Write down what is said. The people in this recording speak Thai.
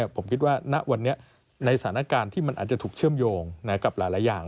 ผมคิดว่าณวันนี้ในสถานการณ์ที่มันอาจจะถูกเชื่อมโยงกับหลายอย่าง